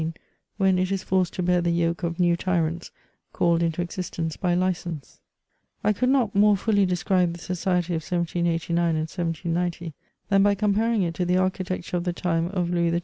221 rein, when it is forced to bear the yoke of new tyrants called into existence by license. I could not more fully describe the society of 1789 and 1790, than by comparing it to the architecture of tne time of Liouis XII.